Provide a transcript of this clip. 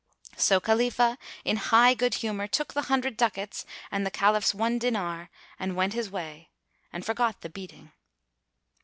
So Khalifah, in high good humor, took the hundred ducats and the Caliph's one dinar and went his way, and forgot the beating.